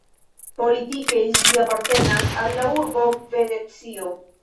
Politike ĝi apartenas al la urbo Venecio.